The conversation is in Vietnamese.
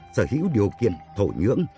sở hữu điều kiện thổ nhưỡng